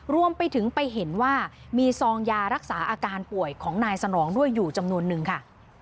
รวมไปถึงไปเห็นว่ามีซองยารักษาอาการป่วยของนายสนองด้วยอยู่จำนวนนึงค่ะ